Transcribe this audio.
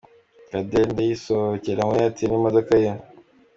Kadende yisohokera muri Airtel n'imodoka ye.